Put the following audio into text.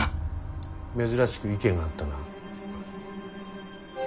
珍しく意見が合ったな。